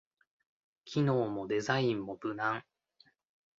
機能もデザインも無難